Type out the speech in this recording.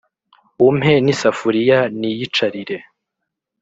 umpe n'isafuriya niyicarire